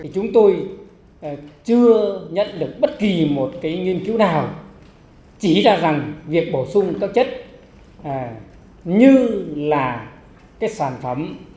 chúng tôi chưa nhận được bất kỳ một nghiên cứu nào chỉ ra rằng việc bổ sung các chất như là sản phẩm